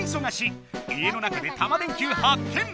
家の中でタマ電Ｑ発見。